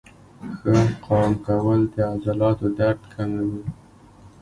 ښه قام کول د عضلاتو درد کموي.